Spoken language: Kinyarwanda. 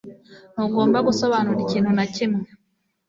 Ntugomba gusobanura ikintu na kimwe